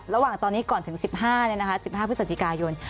ระหว่างตอนนี้ก่อนถึง๑๕๑๕พฤศจิกายน